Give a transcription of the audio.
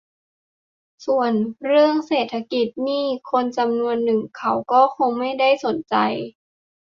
ส่วนเรื่องเศรษฐกิจนี่ คนจำนวนหนึ่งเขาก็คงไม่ได้สนใจ